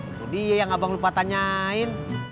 itu dia yang abang lupa tanyain